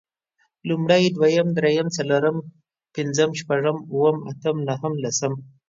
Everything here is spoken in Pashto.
لومړی، دويم، درېيم، څلورم، پنځم، شپږم، اووم، اتم نهم، لسم